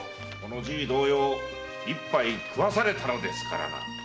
このじい同様一杯食わされたのですからな。